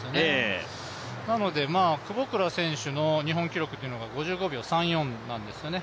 なので日本選手の記録が５５秒３４なんですよね。